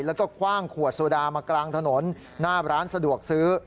แล้วก็คว่างขวดโซดามากลางถนนหน้าร้านสะดวกซื้อ